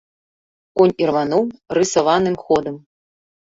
Конь ірвануў рысаваным ходам.